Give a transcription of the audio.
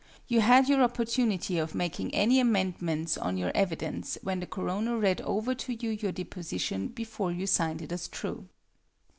You had your opportunity of making any amendments on your evidence when the coroner read over to you your deposition before you signed it as true.